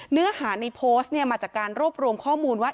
เนื้อหาในโพสต์มาจากการรวบรวมข้อมูลว่า